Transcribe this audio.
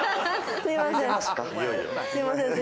すいません。